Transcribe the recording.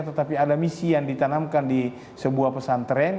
tetapi ada misi yang ditanamkan di sebuah pesantren